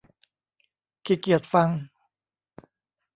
ขี้เกียจฟัง